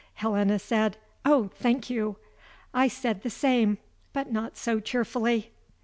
Helena said: 'Oh, thank you!' I said the same, but not so cheerfully.